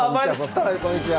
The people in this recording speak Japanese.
再びこんにちは。